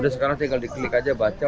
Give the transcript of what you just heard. udah sekarang tinggal diklik aja baca udah